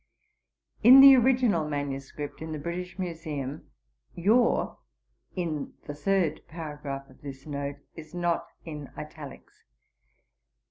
In the original MS. in the British Museum, Your in the third paragraph of this note is not in italics.